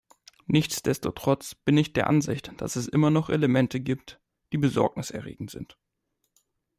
Nichtsdestotrotz bin ich der Ansicht, dass es immer noch Elemente gibt, die besorgniserregend sind.